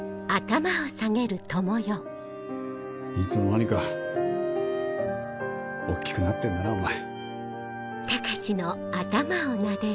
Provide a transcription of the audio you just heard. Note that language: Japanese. いつの間にか大っきくなってんだなお前。